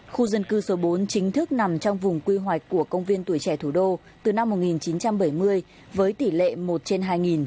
khu dân cư số bốn chính thức nằm trong vùng quy hoạch của công viên tuổi trẻ thủ đô từ năm một nghìn chín trăm bảy mươi với tỷ lệ một trên hai